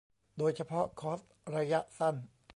โดยเฉพาะคอร์สระยะสั้น